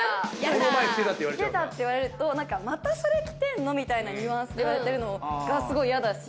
この前着てたって言われちゃう着てたって言われるとまたそれ着てんの？みたいなニュアンスで言われてるのがすごいやだし